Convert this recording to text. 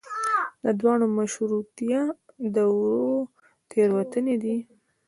د دواړو مشروطیه دورو تېروتنې دي.